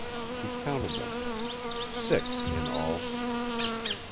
He counted them six in all.